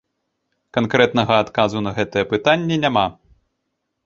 Канкрэтнага адказу на гэтае пытанне няма.